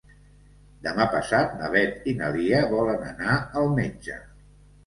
Demà passat na Beth i na Lia volen anar al metge.